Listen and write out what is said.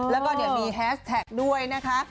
แล้วก็เดี๋ยวมีแฮสแท็กด้วยนะคะ